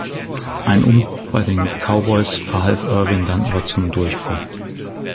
Ein Umbruch bei den Cowboys verhalf Irvin dann aber zum Durchbruch.